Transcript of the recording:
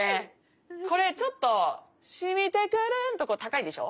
これちょっと「浸みて来る」のとこ高いでしょ。